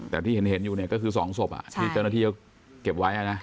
แต่ที่เห็นอยู่เนี่ยก็คือ๒ศพที่เจ้าหน้าที่เขาเก็บไว้นะ